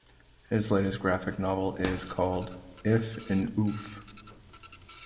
His latest graphic novel is called "If n' Oof".